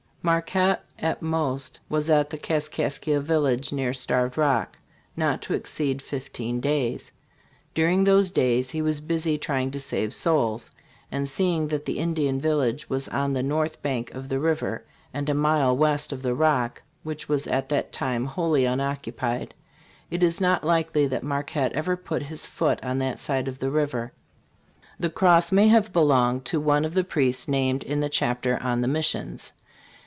Marquette at most was at the Kas kaskia village near Starved Rock not to exceed fifteen days. During those days he was busy trying to save souls ; and seeing that the Indian village was on the north bank of the river and a mile west of the Rock, which was at that time wholly unoccupied, it is not likely that Marquette ever put his foot on that side of the river. The cross may have belonged to one of the priests named in the chapter on " The Missions."